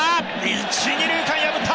一・二塁間破った。